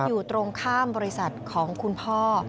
อยู่ตรงข้ามบริษัทของคุณพ่อ